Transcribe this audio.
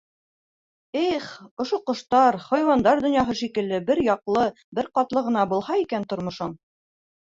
Их, ошо ҡоштар, хайуандар донъяһы шикелле бер яҡлы, бер ҡатлы ғына булһа икән тормошоң...